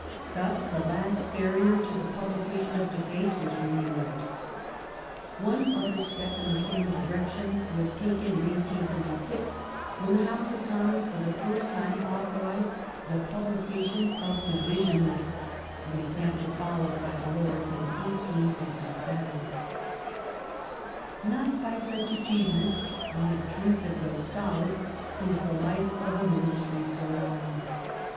Thus the last barrier to the publication of debates was removfed. One other step in the same direction was taken in 1836 when the House of Commons for the first time authorized the publication of Division Lists, an example followed by the Lords in 1857. Not by such achievements, unobtrusive though solid, is the The life of a Ministry prolonged.